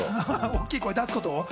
大きな声出すことを。